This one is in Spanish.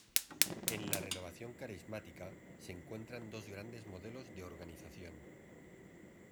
En la renovación carismática se encuentran dos grandes modelos de organización.